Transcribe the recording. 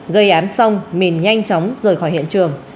gây án xong mình nhanh chóng rời khỏi hiện trường